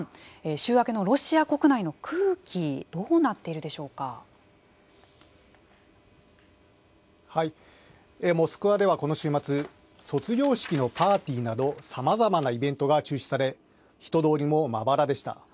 週明けのロシア国内のモスクワではこの週末卒業式のパーティーなどさまざまなイベントが中止され人通りもまばらでした。